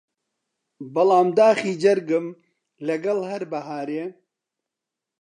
بەڵام داخی جەرگم لەگەڵ هەر بەهارێ